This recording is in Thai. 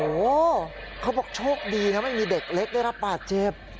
โอ้โหเขาบอกโชคดีนะไม่มีเด็กเล็กได้รับบาดเจ็บ